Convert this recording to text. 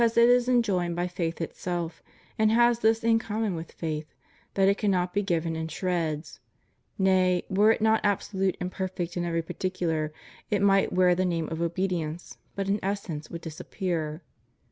This obedience should, however, be perfect, because it is enjoined by faith itself, and has this in common with faith, that it cannot be given in shreds; — nay, were it not absolute and perfect in every particular, it might wear the name of obedience, but its essence would disappear.